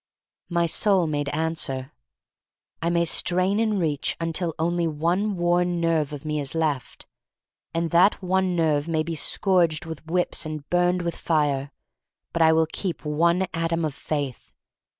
My soul made answer: "I may strain and reach until only one worn nerve of me is left. And that one nerve may be scourged with whips and burned with fire. But I will keep one atom of faith.